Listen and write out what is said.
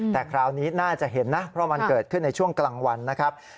แต่คราวนี้น่าจะเห็นนะเพราะมันเกิดขึ้นในช่วงกลางวันนะครับ